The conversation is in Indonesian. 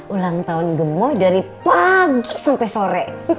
ulang tahun gembo dari pagi sampai sore